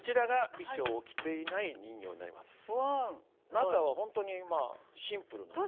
中は本当にまあシンプルなんです。